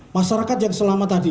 masyarakat yang selama tadi